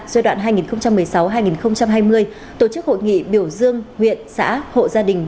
giai đoạn hai nghìn một mươi sáu hai nghìn hai mươi tổ chức hội nghị biểu dương huyện xã hộ gia đình